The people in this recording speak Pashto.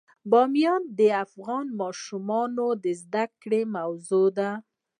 بامیان د افغان ماشومانو د زده کړې موضوع ده.